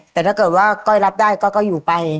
แต่ถ้าเกิดว่าก้อยรับได้ก้อยก็อยู่ไป